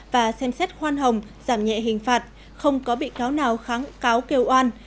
và xem xét khoan hồng giảm nhẹ hình phạt không có bị cáo nào kháng cáo kêu oan